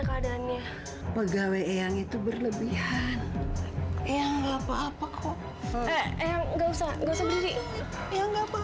keadaannya pegawai yang itu berlebihan yang enggak apa apa kok enggak usah usah berdiri